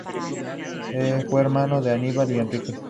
Fue hermano de Aníbal y Enrique.